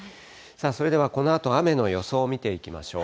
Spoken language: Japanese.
それではこのあと、雨の予想見ていきましょう。